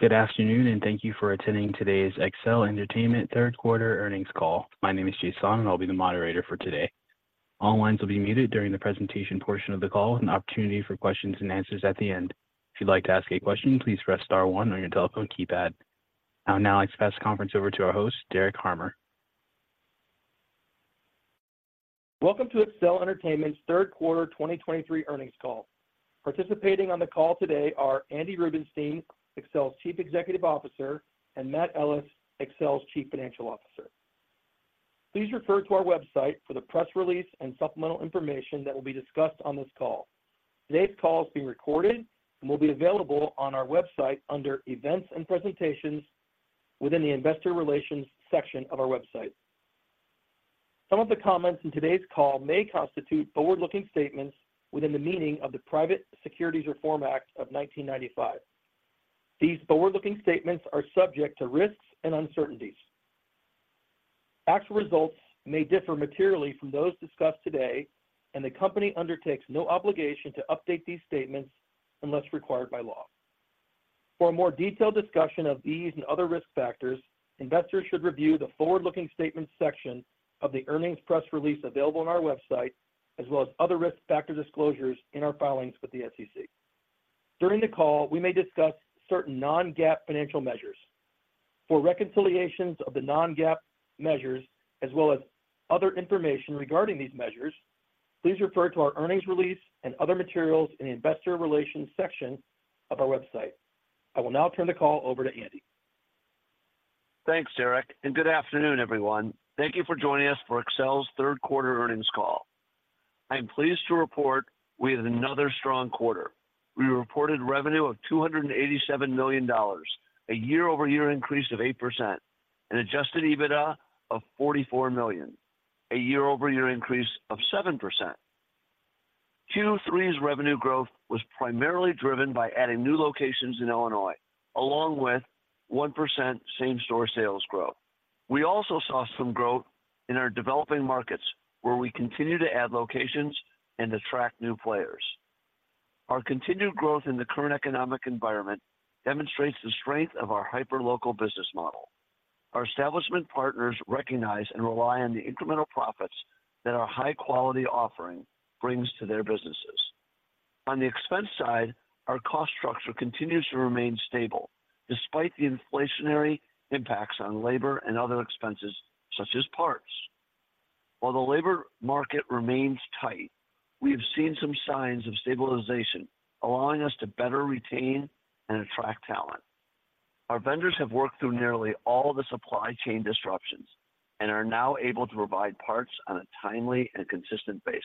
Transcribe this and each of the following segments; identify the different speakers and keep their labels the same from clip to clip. Speaker 1: Good afternoon, and thank you for attending today's Accel Entertainment third quarter earnings call. My name is Jason, and I'll be the moderator for today. All lines will be muted during the presentation portion of the call, with an opportunity for questions and answers at the end. If you'd like to ask a question, please press star one on your telephone keypad. I'll now pass the conference over to our host, Derek Harmer.
Speaker 2: Welcome to Accel Entertainment's third quarter 2023 earnings call. Participating on the call today are Andy Rubenstein, Accel's Chief Executive Officer, and Matt Ellis, Accel's Chief Financial Officer. Please refer to our website for the press release and supplemental information that will be discussed on this call. Today's call is being recorded and will be available on our website under Events and Presentations within the Investor Relations section of our website. Some of the comments in today's call may constitute forward-looking statements within the meaning of the Private Securities Litigation Reform Act of 1995. These forward-looking statements are subject to risks and uncertainties. Actual results may differ materially from those discussed today, and the company undertakes no obligation to update these statements unless required by law. For a more detailed discussion of these and other risk factors, investors should review the forward-looking statements section of the earnings press release available on our website, as well as other risk factor disclosures in our filings with the SEC. During the call, we may discuss certain non-GAAP financial measures. For reconciliations of the non-GAAP measures, as well as other information regarding these measures, please refer to our earnings release and other materials in the Investor Relations section of our website. I will now turn the call over to Andy.
Speaker 3: Thanks, Derek, and good afternoon, everyone. Thank you for joining us for Accel's third quarter earnings call. I am pleased to report we had another strong quarter. We reported revenue of $287 million, a year-over-year increase of 8%, and Adjusted EBITDA of $44 million, a year-over-year increase of 7%. Q3's revenue growth was primarily driven by adding new locations in Illinois, along with 1% same-store sales growth. We also saw some growth in our developing markets, where we continue to add locations and attract new players. Our continued growth in the current economic environment demonstrates the strength of our hyper-local business model. Our establishment partners recognize and rely on the incremental profits that our high-quality offering brings to their businesses. On the expense side, our cost structure continues to remain stable, despite the inflationary impacts on labor and other expenses, such as parts. While the labor market remains tight, we have seen some signs of stabilization, allowing us to better retain and attract talent. Our vendors have worked through nearly all the supply chain disruptions and are now able to provide parts on a timely and consistent basis.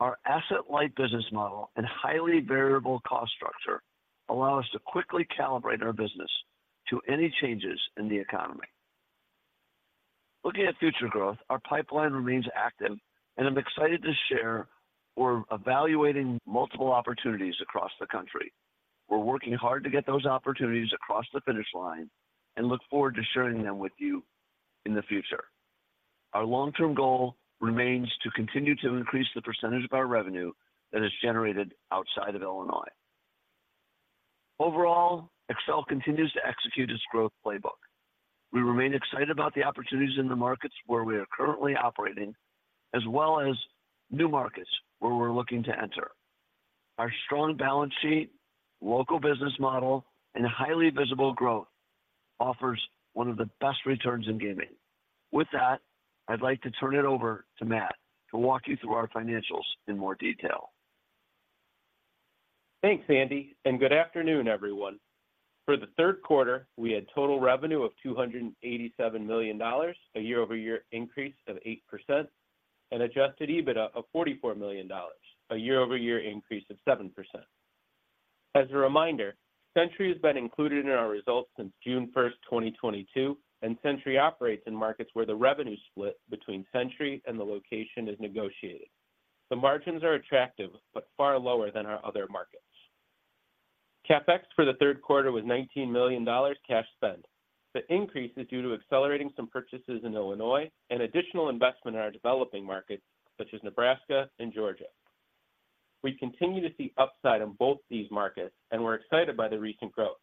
Speaker 3: Our asset-light business model and highly variable cost structure allow us to quickly calibrate our business to any changes in the economy. Looking at future growth, our pipeline remains active, and I'm excited to share we're evaluating multiple opportunities across the country. We're working hard to get those opportunities across the finish line and look forward to sharing them with you in the future. Our long-term goal remains to continue to increase the percentage of our revenue that is generated outside of Illinois. Overall, Accel continues to execute its growth playbook. We remain excited about the opportunities in the markets where we are currently operating, as well as new markets where we're looking to enter. Our strong balance sheet, local business model, and highly visible growth offers one of the best returns in gaming. With that, I'd like to turn it over to Matt to walk you through our financials in more detail.
Speaker 4: Thanks, Andy, and good afternoon, everyone. For the third quarter, we had total revenue of $287 million, a year-over-year increase of 8%, and adjusted EBITDA of $44 million, a year-over-year increase of 7%. As a reminder, Century has been included in our results since June first, 2022, and Century operates in markets where the revenue split between Century and the location is negotiated. The margins are attractive, but far lower than our other markets. CapEx for the third quarter was $19 million cash spent. The increase is due to accelerating some purchases in Illinois and additional investment in our developing markets, such as Nebraska and Georgia. We continue to see upside in both these markets, and we're excited by the recent growth.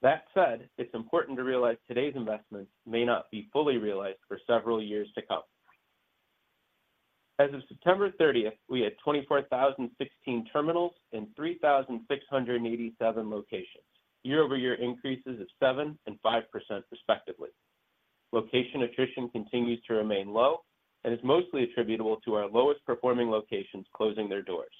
Speaker 4: That said, it's important to realize today's investments may not be fully realized for several years to come. As of September 30, we had 24,016 terminals in 3,687 locations, year-over-year increases of 7% and 5%, respectively. Location attrition continues to remain low and is mostly attributable to our lowest-performing locations closing their doors.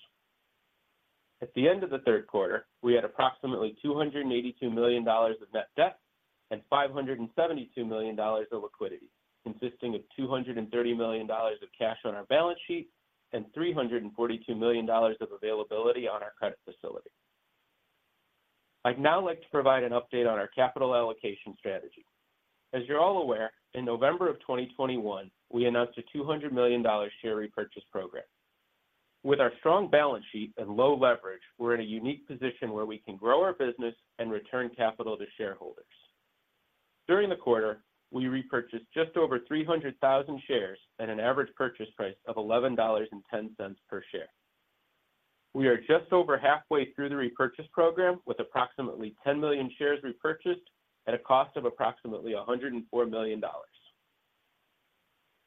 Speaker 4: At the end of the third quarter, we had approximately $282 million of net debt and $572 million of liquidity, consisting of $230 million of cash on our balance sheet and $342 million of availability on our credit facility. I'd now like to provide an update on our capital allocation strategy. As you're all aware, in November 2021, we announced a $200 million share repurchase program. With our strong balance sheet and low leverage, we're in a unique position where we can grow our business and return capital to shareholders. During the quarter, we repurchased just over 300,000 shares at an average purchase price of $11.10 per share. We are just over halfway through the repurchase program, with approximately 10 million shares repurchased at a cost of approximately $104 million.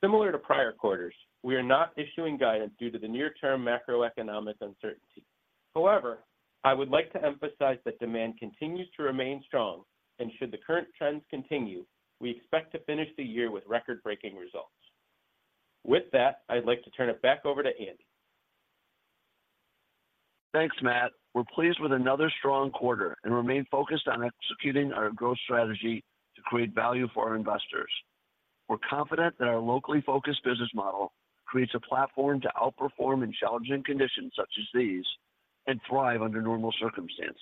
Speaker 4: Similar to prior quarters, we are not issuing guidance due to the near-term macroeconomic uncertainty. However, I would like to emphasize that demand continues to remain strong, and should the current trends continue, we expect to finish the year with record-breaking results. With that, I'd like to turn it back over to Andy.
Speaker 3: Thanks, Matt. We're pleased with another strong quarter and remain focused on executing our growth strategy to create value for our investors. We're confident that our locally focused business model creates a platform to outperform in challenging conditions such as these and thrive under normal circumstances.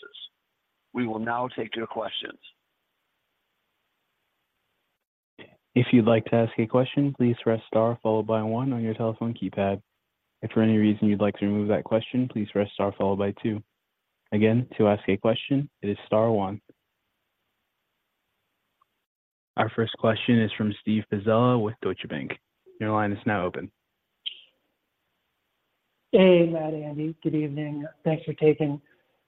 Speaker 3: We will now take your questions.
Speaker 1: If you'd like to ask a question, please press star followed by one on your telephone keypad. If for any reason you'd like to remove that question, please press star followed by two. Again, to ask a question, it is star one. Our first question is from Steve Pizzella with Deutsche Bank. Your line is now open.
Speaker 5: Hey, Matt, Andy, good evening. Thanks for taking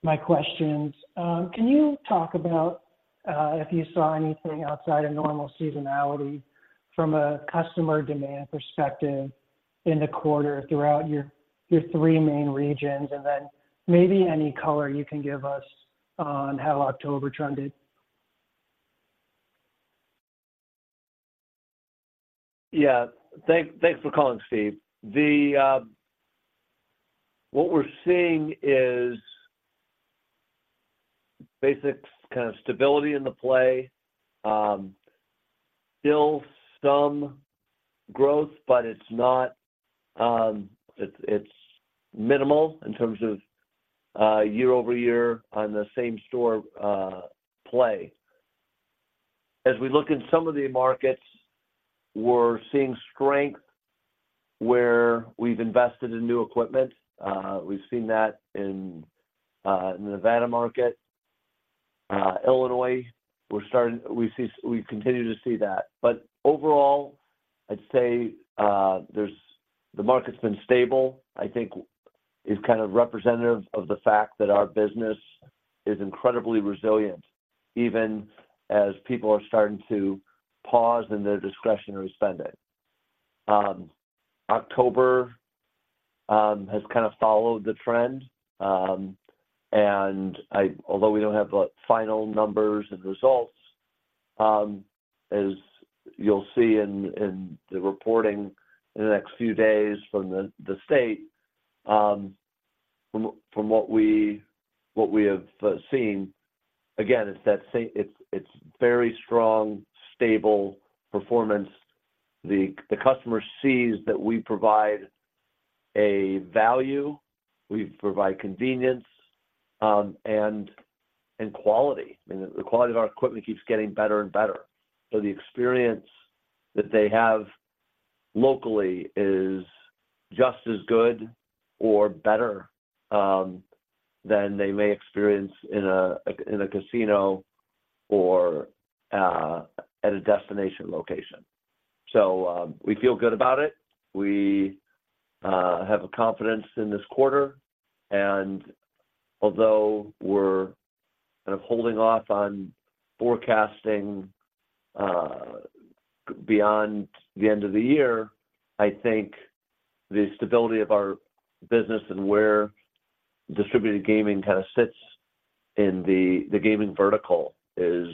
Speaker 5: my questions. Can you talk about if you saw anything outside of normal seasonality from a customer demand perspective in the quarter throughout your three main regions, and then maybe any color you can give us on how October trended?
Speaker 3: Yeah. Thanks for calling, Steve. What we're seeing is basic kind of stability in the play. Still some growth, but it's not, it's minimal in terms of year-over-year on the same-store play. As we look in some of the markets, we're seeing strength where we've invested in new equipment. We've seen that in the Nevada market. Illinois, we're starting. We see, we continue to see that. But overall, I'd say, the market's been stable. I think is kind of representative of the fact that our business is incredibly resilient, even as people are starting to pause in their discretionary spending. October has kind of followed the trend, and although we don't have the final numbers and results, as you'll see in the reporting in the next few days from the state, from what we have seen, again, it's very strong, stable performance. The customer sees that we provide a value, we provide convenience, and quality. I mean, the quality of our equipment keeps getting better and better. So the experience that they have locally is just as good or better than they may experience in a casino or at a destination location. We feel good about it. We have a confidence in this quarter, and although we're kind of holding off on forecasting beyond the end of the year, I think the stability of our business and where Distributed Gaming kind of sits in the gaming vertical is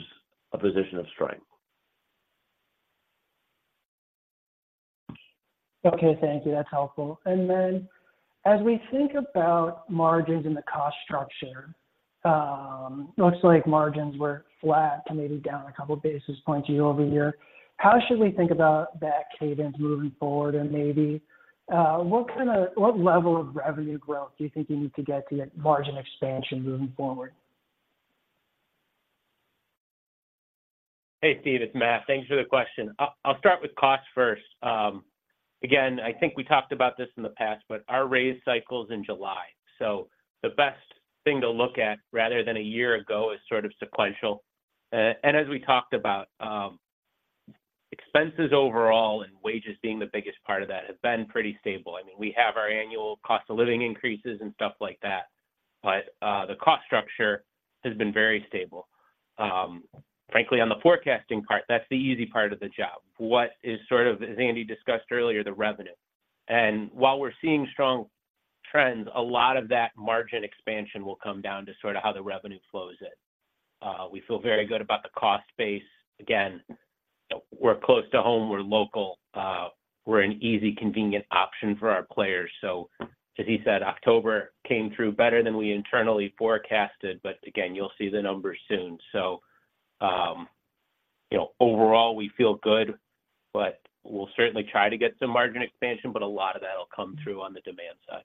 Speaker 3: a position of strength.
Speaker 5: Okay, thank you. That's helpful. And then, as we think about margins in the cost structure, looks like margins were flat to maybe down a couple basis points year over year. How should we think about that cadence moving forward, and maybe, what level of revenue growth do you think you need to get to get margin expansion moving forward?
Speaker 4: Hey, Steve, it's Matt. Thanks for the question. I'll start with cost first. Again, I think we talked about this in the past, but our raise cycle's in July, so the best thing to look at rather than a year ago is sort of sequential. And as we talked about, expenses overall and wages being the biggest part of that, have been pretty stable. I mean, we have our annual cost of living increases and stuff like that, but the cost structure has been very stable. Frankly, on the forecasting part, that's the easy part of the job. What is sort of, as Andy discussed earlier, the revenue. And while we're seeing strong trends, a lot of that margin expansion will come down to sort of how the revenue flows in. We feel very good about the cost base. Again, we're close to home, we're local, we're an easy, convenient option for our players. So as he said, October came through better than we internally forecasted, but again, you'll see the numbers soon. So, you know, overall, we feel good, but we'll certainly try to get some margin expansion, but a lot of that will come through on the demand side.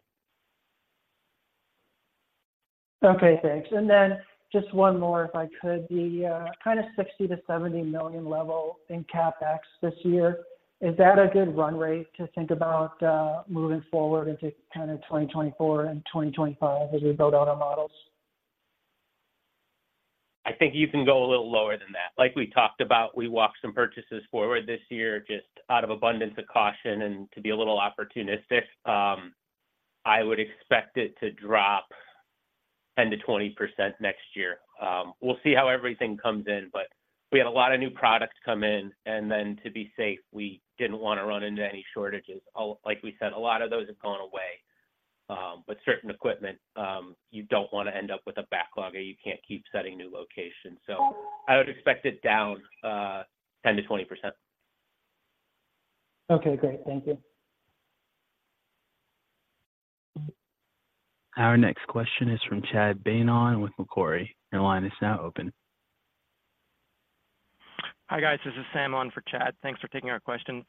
Speaker 5: Okay, thanks. Then just one more, if I could: the kind of $60 million to $70 million level in CapEx this year. Is that a good run rate to think about, moving forward into kind of 2024 and 2025 as we build out our models?
Speaker 4: I think you can go a little lower than that. Like we talked about, we walked some purchases forward this year, just out of abundance of caution and to be a little opportunistic. I would expect it to drop 10%-20% next year. We'll see how everything comes in, but we had a lot of new products come in, and then to be safe, we didn't want to run into any shortages. Like we said, a lot of those have gone away, but certain equipment, you don't want to end up with a backlog, or you can't keep setting new locations. So I would expect it down 10%-20%.
Speaker 5: Okay, great. Thank you.
Speaker 1: Our next question is from Chad Beynon with Macquarie. Your line is now open.
Speaker 6: Hi, guys. This is Sam on for Chad. Thanks for taking our questions.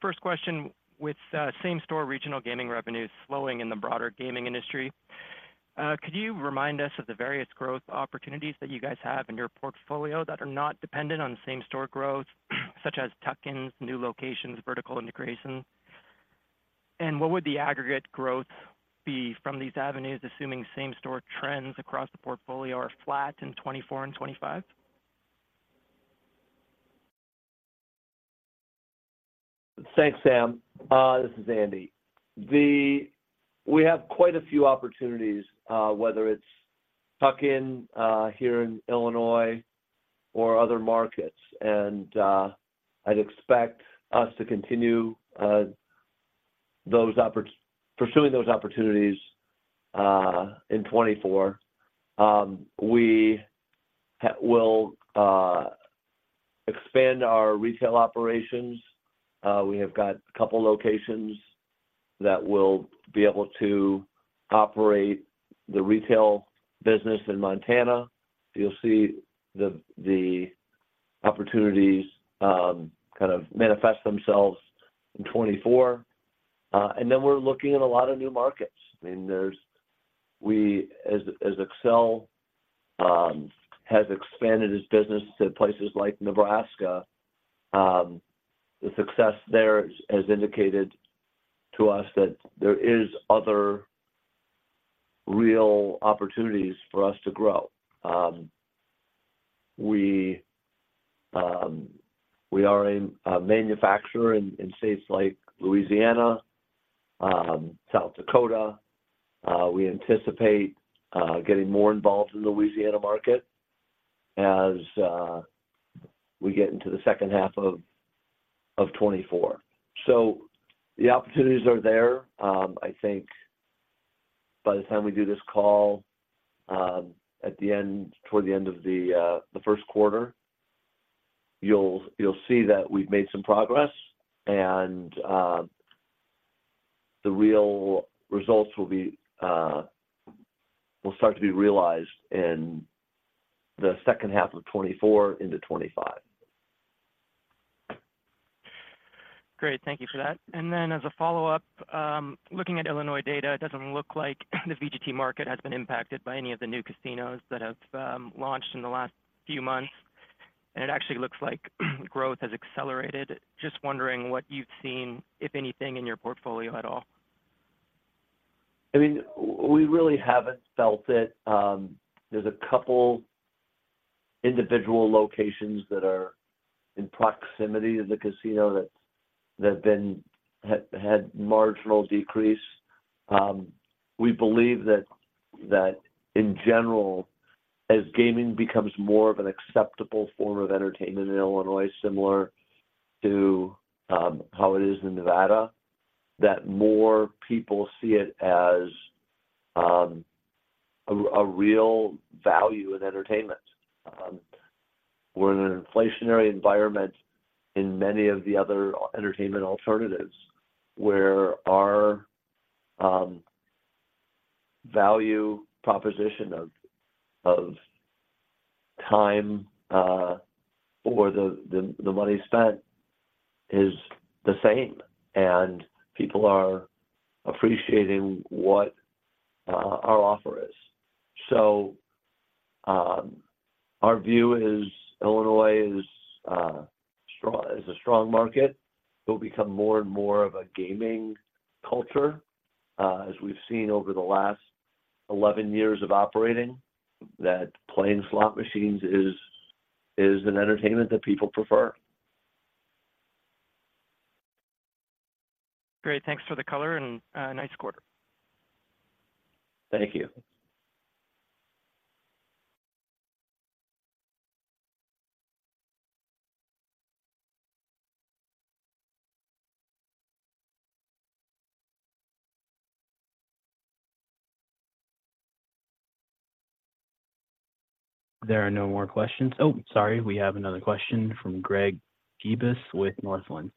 Speaker 6: First question, with same-store regional gaming revenues slowing in the broader gaming industry, could you remind us of the various growth opportunities that you guys have in your portfolio that are not dependent on same-store growth, such as tuck-ins, new locations, vertical integration? And what would the aggregate growth be from these avenues, assuming same-store trends across the portfolio are flat in 2024 and 2025?
Speaker 3: Thanks, Sam. This is Andy. We have quite a few opportunities, whether it's tuck-in here in Illinois or other markets, and I'd expect us to continue pursuing those opportunities in 2024. We will expand our retail operations. We have got a couple locations that will be able to operate the retail business in Montana. You'll see the opportunities kind of manifest themselves in 2024. And then we're looking at a lot of new markets, and we, as Accel, has expanded its business to places like Nebraska, the success there has indicated to us that there is other real opportunities for us to grow. We are a manufacturer in states like Louisiana, South Dakota. We anticipate getting more involved in the Louisiana market as we get into the second half of 2024. So the opportunities are there. I think by the time we do this call, at the end, toward the end of the first quarter, you'll see that we've made some progress, and the real results will start to be realized in the second half of 2024 into 2025.
Speaker 6: Great. Thank you for that. And then as a follow-up, looking at Illinois data, it doesn't look like the VGT market has been impacted by any of the new casinos that have launched in the last few months, and it actually looks like growth has accelerated. Just wondering what you've seen, if anything, in your portfolio at all?
Speaker 3: I mean, we really haven't felt it. There's a couple individual locations that are in proximity to the casino that have had marginal decrease. We believe that in general, as gaming becomes more of an acceptable form of entertainment in Illinois, similar to how it is in Nevada, that more people see it as a real value in entertainment. We're in an inflationary environment in many of the other entertainment alternatives, where our value proposition of time or the money spent is the same, and people are appreciating what our offer is. Our view is Illinois is a strong market, will become more and more of a gaming culture, as we've seen over the last 11 years of operating, that playing slot machines is an entertainment that people prefer.
Speaker 6: Great. Thanks for the color and nice quarter.
Speaker 3: Thank you.
Speaker 1: There are no more questions. Oh, sorry. We have another question from Greg Gibas with Northland.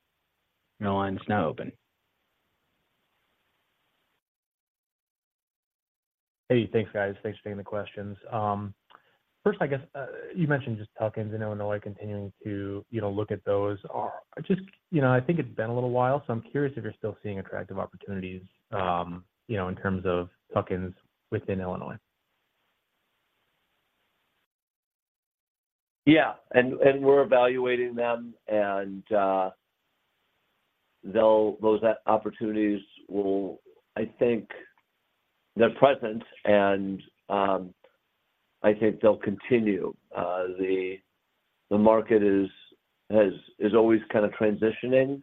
Speaker 1: Your line is now open.
Speaker 7: Hey, thanks, guys. Thanks for taking the questions. First, I guess, you mentioned just tuck-ins in Illinois, continuing to, you know, look at those. Just, you know, I think it's been a little while, so I'm curious if you're still seeing attractive opportunities, you know, in terms of tuck-ins within Illinois?
Speaker 3: Yeah, and we're evaluating them, and they'll—those opportunities will, I think, they're present, and I think they'll continue. The market is always kind of transitioning,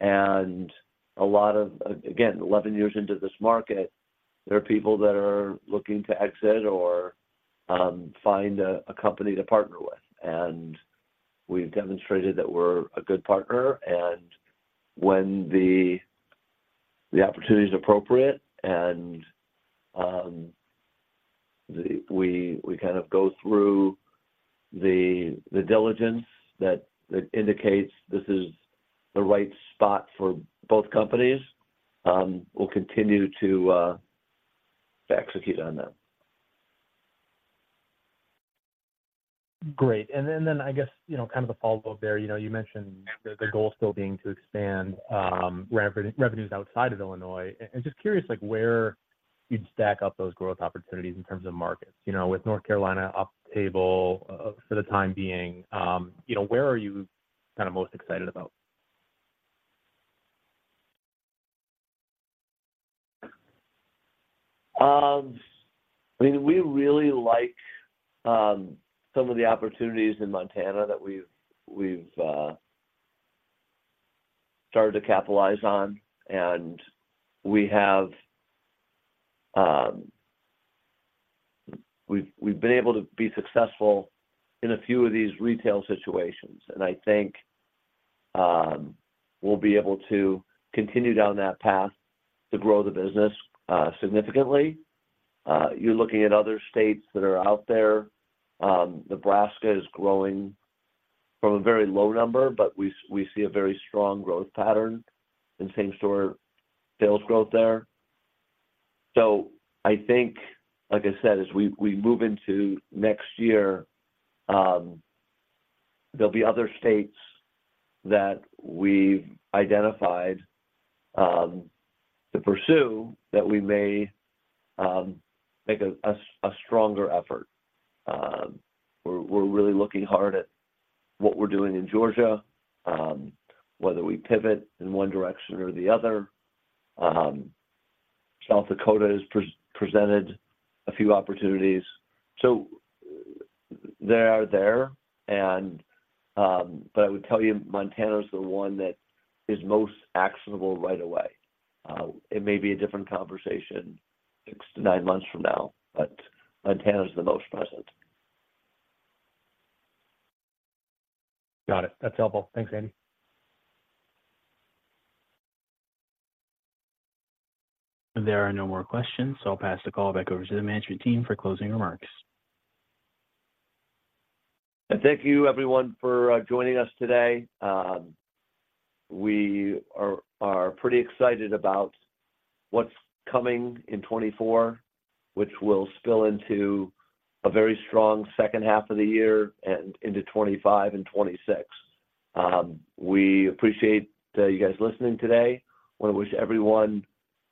Speaker 3: and a lot of, again, 11 years into this market, there are people that are looking to exit or find a company to partner with. And we've demonstrated that we're a good partner, and when the opportunity is appropriate and we kind of go through the diligence that indicates this is the right spot for both companies, we'll continue to execute on that.
Speaker 7: Great. And then I guess, you know, kind of a follow-up there, you know, you mentioned the goal still being to expand revenues outside of Illinois. And just curious, like, where you'd stack up those growth opportunities in terms of markets. You know, with North Carolina off the table for the time being, you know, where are you kind of most excited about?
Speaker 3: I mean, we really like some of the opportunities in Montana that we've started to capitalize on, and we have. We've been able to be successful in a few of these retail situations, and I think we'll be able to continue down that path to grow the business significantly. You're looking at other states that are out there. Nebraska is growing from a very low number, but we see a very strong growth pattern in same-store sales growth there. So I think, like I said, as we move into next year, there'll be other states that we've identified to pursue, that we may make a stronger effort. We're really looking hard at what we're doing in Georgia, whether we pivot in one direction or the other. South Dakota has presented a few opportunities, so they are there and... But I would tell you, Montana is the one that is most actionable right away. It may be a different conversation six to nine months from now, but Montana is the most present.
Speaker 7: Got it. That's helpful. Thanks, Andy.
Speaker 1: There are no more questions, so I'll pass the call back over to the management team for closing remarks.
Speaker 3: Thank you everyone for joining us today. We are pretty excited about what's coming in 2024, which will spill into a very strong second half of the year and into 2025 and 2026. We appreciate you guys listening today. Want to wish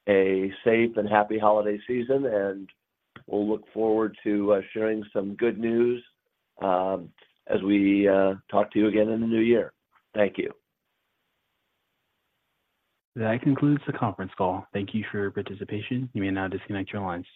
Speaker 3: everyone a safe and happy holiday season, and we'll look forward to sharing some good news as we talk to you again in the new year. Thank you.
Speaker 1: That concludes the conference call. Thank you for your participation. You may now disconnect your lines.